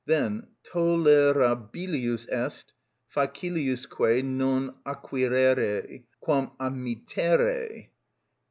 _" Then: "_Tolerabilius est, faciliusque, non acquirere, quam amittere....